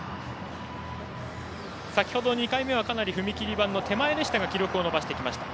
先ほど２回目はかなり踏切板の手前でしたが記録を伸ばしてきました。